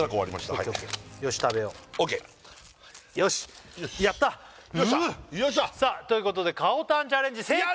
ＯＫＯＫよし食べようＯＫよしよしやったよっしゃさあということでかおたんチャレンジ成功！